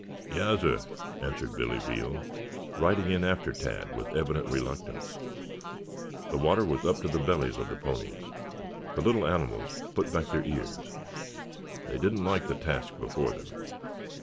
"Yassir," answered Billy Veal riding in after Tad with evident reluctance. The water was up to the bellies of the ponies. The little animals put back their ears. They did not like the task before them.